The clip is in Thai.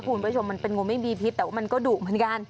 คุณผู้ชมมันเป็นงูไม่มีพิษแต่ว่ามันก็ดุเหมือนกัน